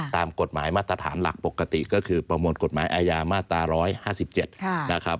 ตามกฎหมายมาตรฐานหลักปกติก็คือประมวลกฎหมายอาญามาตรา๑๕๗นะครับ